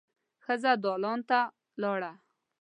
ښځه دالان ته لاړه.